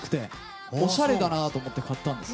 おしゃれだなと思って買ったんです。